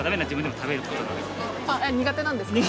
苦手なんですか？